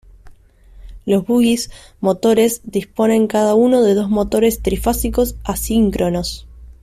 Los bogies motores disponen cada uno de dos motores trifásicos asíncronos.